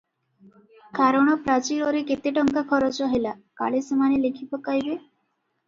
କାରଣ ପ୍ରାଚୀରରେ କେତେ ଟଙ୍କା ଖରଚ ହେଲା, କାଳେସେମାନେ ଲେଖିପକାଇବେ ।